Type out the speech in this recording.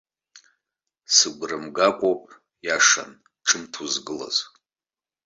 Сыгәра мгакәоуп, иашан, ҿымҭ узгылаз!